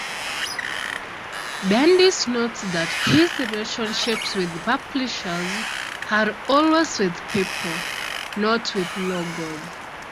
Bendis notes that his relationships with publishers are always with people, not with logos.